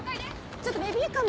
ちょっとベビーカー